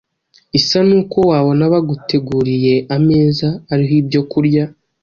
isa n’uko wabona baguteguriye ameza ariho ibyo kurya